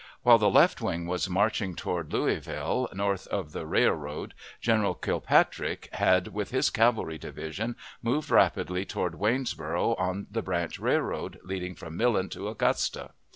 While the left wing was marching toward Louisville, north of the railroad, General Kilpatrick had, with his cavalry division, moved rapidly toward Waynesboro', on the branch railroad leading from Millen to Augusta.